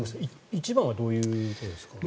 １番はどういうことですか。